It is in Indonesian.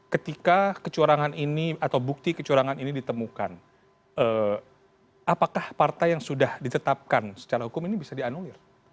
ketika kecurangan ini atau bukti kecurangan ini ditemukan apakah partai yang sudah ditetapkan secara hukum ini bisa dianulir